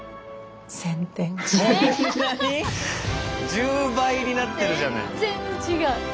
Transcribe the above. １０倍になってるじゃない。